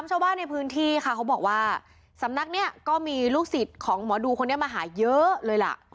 ชาวบ้านในพื้นที่ค่ะเขาบอกว่าสำนักนี้ก็มีลูกศิษย์ของหมอดูคนนี้มาหาเยอะเลยล่ะ